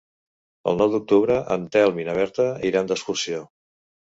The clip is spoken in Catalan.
El nou d'octubre en Telm i na Berta iran d'excursió.